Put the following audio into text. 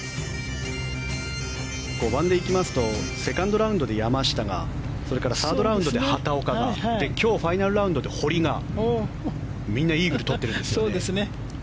５番で行きますとセカンドラウンドで山下がそれからサードラウンドで畑岡が今日ファイナルラウンドで堀がみんなイーグルを取っているんです。